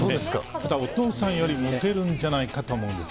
ただ、お父さんよりモテるんじゃないかと思うんです。